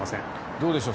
どうでしょう。